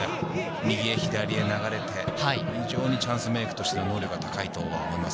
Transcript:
右へ左へ流れて非常にチャンスメークとしての能力が高いと思います。